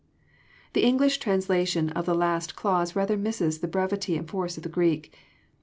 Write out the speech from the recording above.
The English translation of the last clause rather misses the brevity and force of the Greek.